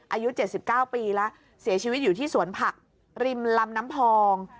อายุ๗๙ปีแล้วเสียชีวิตอยู่ที่สวนผักริมลำน้ำพอง